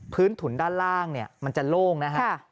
ถุนด้านล่างเนี่ยมันจะโล่งนะฮะ